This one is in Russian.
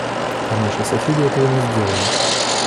А наши соседи этого не сделали.